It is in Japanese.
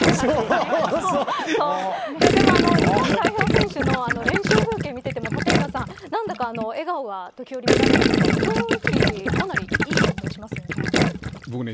でも、日本代表選手の練習風景を見ていても立岩さん、なんだか笑顔が見られたりと雰囲気かなりいい感じしますよね。